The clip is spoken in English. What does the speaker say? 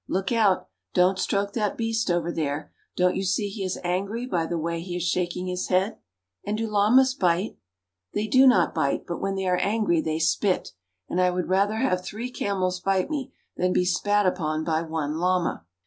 Look out ! Don't stroke that beast over there ! Don't you see he is angry by the way he is shaking his head ? And do llamas bite? They do not bite, but when they are angry they spit, and I would rather have three camels bite me than be spat upon by one llama.